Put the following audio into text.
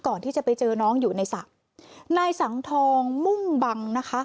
ไปเจอน้องอยู่ในสระนายสังทองมุ่งบังนะคะ